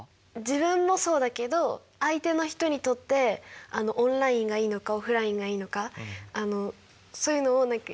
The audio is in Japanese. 自分もそうだけど相手の人にとってオンラインがいいのかオフラインがいいのか。